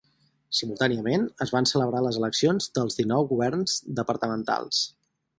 Simultàniament es van celebrar les eleccions dels dinou governs departamentals.